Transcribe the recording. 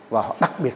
và họ đặc biệt